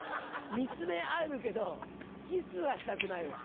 見つめ合えるけどキスはしたくないわ。